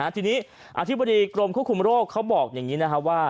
ทีนี้อธิบดีกรมควบคุมโรคเขาบอกอย่างนี้นะครับว่า